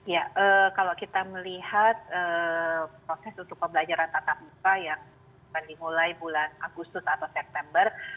ya kalau kita melihat proses untuk pembelajaran tatap muka yang akan dimulai bulan agustus atau september